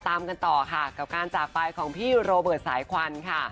ตามกันต่อค่ะกับการจากไปของพี่โรเบิร์ตสายควันค่ะ